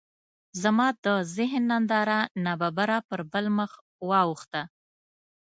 زما د ذهن هنداره ناببره پر بل مخ واوښته.